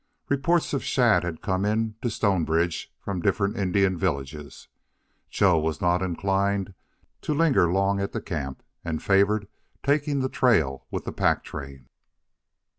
Reports of Shadd had come in to Stonebridge from different Indian villages; Joe was not inclined to linger long at the camp, and favored taking the trail with the pack train.